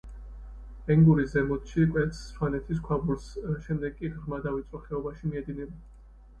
ენგური ზემოთში კვეთს სვანეთის ქვაბულს, შემდეგ კი ღრმა და ვიწრო ხეობაში მიედინება.